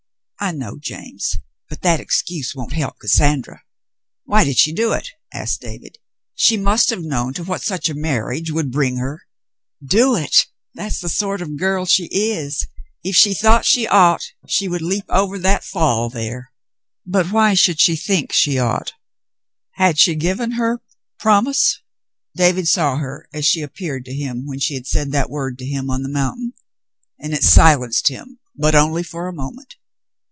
"I know, James, but that excuse won't help Cassandra.'* "AMiv did she do it.'^" asked David. "She must have known to v\4iat such a marriage would bring her." "Do it ? That is the sort of girl she is. If she thought she ought, she would leap over that fall there." "But wh}^ should she think she ought ? Had she given her — promise —" David saw her as she appeared to him when she had said that word to him on the mountain, and it silenced him, but only for a moment.